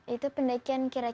itu pendakian kira kira lima hari